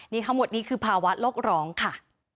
นี่ทั้งหมดนี้คือภาวะโลกร้องค่ะ